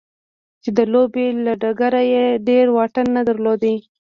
چې د لوبې له ډګره يې ډېر واټن نه درلود.